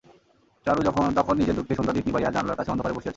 চারু তখন নিজের দুঃখে সন্ধ্যাদীপ নিবাইয়া জানলার কাছে অন্ধকারে বসিয়া ছিল।